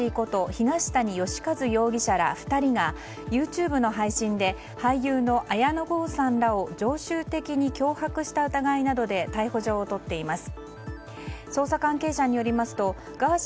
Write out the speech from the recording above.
東谷義和容疑者ら２人がＹｏｕＴｕｂｅの配信で俳優の綾野剛さんらを常習的に脅迫した疑いなどで逮捕状を取っています。